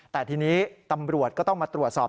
แต่ทีนี้ตำรวจก็ต้องมาตรวจสอบ